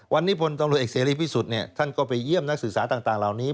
วันนี้พลตำรวจเอกเสรีพิสุทธิ์ท่านก็ไปเยี่ยมนักศึกษาต่างเหล่านี้